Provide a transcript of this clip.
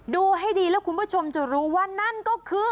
ดูให้ดีแล้วคุณผู้ชมจะรู้ว่านั่นก็คือ